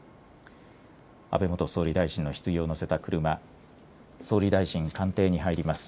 安倍元総理大臣のひつぎを乗せた車、総理大臣官邸に入ります。